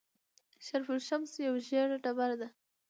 شرف الشمس یوه ژیړه ډبره ده.